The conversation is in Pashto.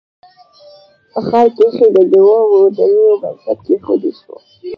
په ښار کښې د دوو ودانیو بنسټ کېښودل شو